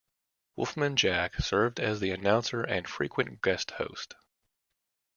Wolfman Jack served as the announcer and frequent guest host.